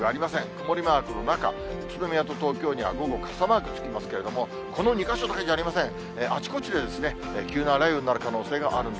曇りマークの中、宇都宮と東京には午後、傘マークつきますけれども、この２か所だけじゃありません。